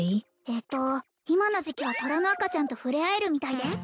えっと今の時期はトラの赤ちゃんと触れ合えるみたいです